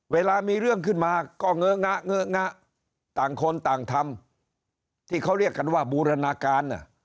เวลามีเรื่องขึ้นมาก็เงอะงะเงอะงะต่างคนต่างทำที่เขาเรียกกันว่าบูรณาการ